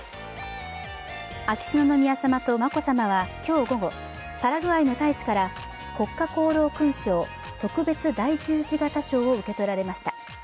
秋篠宮さまと眞子さまは今日午後、パラグアイの大使から国家功労勲章特別大十字型章を受け取られました。